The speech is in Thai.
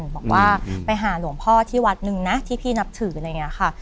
บอกว่าไปหาหลวงพ่อที่วัดนึงนะที่พี่นับถืออะไรอย่างนี้ค่ะ